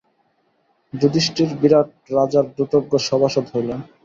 যুধিষ্ঠির বিরাট রাজার দ্যুতজ্ঞ সভাসদ হইলেন।